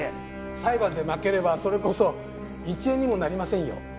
裁判で負ければそれこそ１円にもなりませんよ。